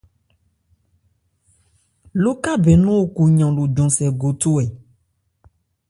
Lókabɛn nɔ́n o ku yran lo jɔn-sɛn gothô ɛ ?